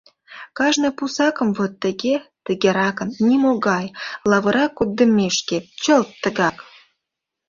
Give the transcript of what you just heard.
— Кажне пусакым вот тыге, тыгеракын, нимогай... лавыра коддымешке, чылт тыгак!